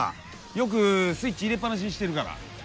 よくスイッチ入れっ放しにしてるから。